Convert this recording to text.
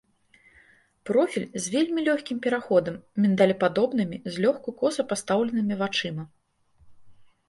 Профіль з вельмі лёгкім пераходам, міндалепадобнымі, злёгку коса пастаўленымі вачыма.